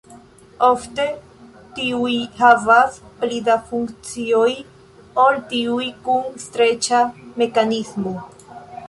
Ofte tiuj havas pli da funkcioj ol tiuj kun streĉa mekanismo.